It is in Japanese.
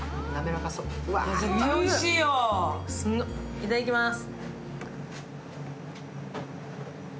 いただきます。